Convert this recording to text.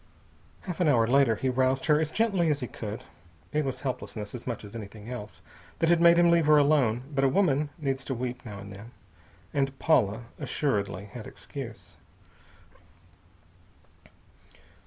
Half an hour later he roused her as gently as he could. It was helplessness, as much as anything else, that had made him leave her alone; but a woman needs to weep now and then. And Paula assuredly had excuse.